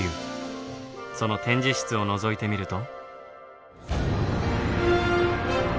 その展示室をのぞいてみると。